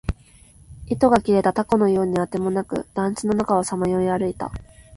糸が切れた凧のようにあてもなく、団地の中をさまよい歩いた